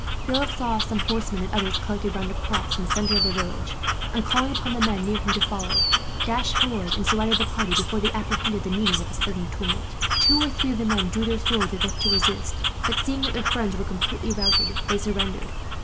Philip saw some horsemen, and others, collected round a cross in the centre of the village and, calling upon the men near him to follow, dashed forward and surrounded the party, before they apprehended the meaning of this sudden tumult. Two or three of the men drew their swords, as if to resist; but seeing that their friends were completely routed, they surrendered.